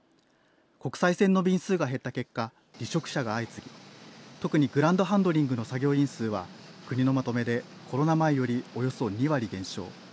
国際線の便数が減った結果離職者が相次ぎ特にグランドハンドリングの作業員数は国のまとめでコロナ前より、およそ２割減少。